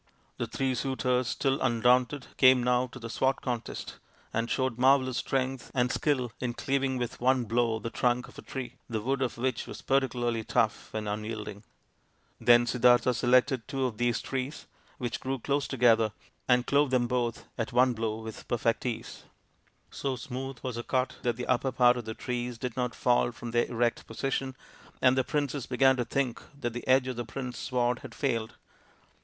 The three suitors, still undaunted, came now to the sword contest, and showed marvellous strength and skill in cleaving with one blow the trunk of a tree, the wood of which was particularly tough and unyielding. Then Siddartha selected two of these trees which grew close together and clove them both at one blow with perfect ease. So smooth was the cut that the upper part of the trees did not fall from their erect position, and the princess began to think that the edge of her prince's sword had failed.